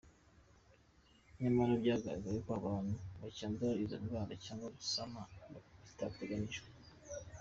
Nyamara byagaragaye ko abantu bacyandura izo ndwara cyangwa bagasama batabiteganyije.